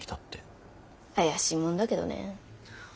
怪しいもんだけどね。